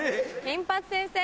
「金八先生！」